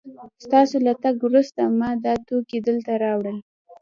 ستاسو له تګ وروسته ما دا توکي دلته راوړل